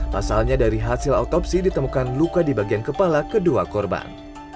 pasalnya dari hasil autopsi ditemukan luka di bagian kepala kedua korban